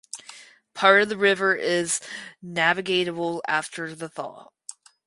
Part of the river is navigable after the thaw.